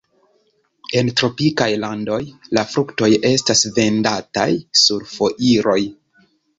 En tropikaj landoj la fruktoj estas vendataj sur foiroj.